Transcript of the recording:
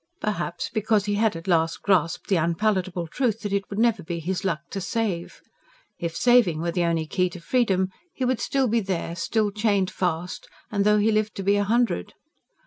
Perhaps, because he had at last grasped the unpalatable truth that it would never be his luck to save: if saving were the only key to freedom, he would still be there, still chained fast, and though he lived to be a hundred.